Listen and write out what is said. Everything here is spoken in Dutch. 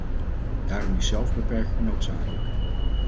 Daarom is zelfbeperking noodzakelijk.